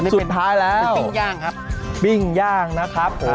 สุดท้ายแล้วเป็นปิ้งย่างครับ